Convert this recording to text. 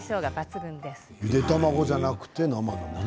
ゆで卵じゃなくて生卵？